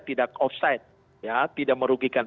tidak offside tidak merugikan